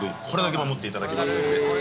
これだけ守っていただきますので。